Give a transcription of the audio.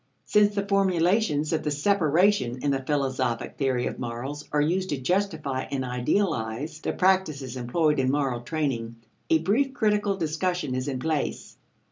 Since the formulations of the separation in the philosophic theory of morals are used to justify and idealize the practices employed in moral training, a brief critical discussion is in place.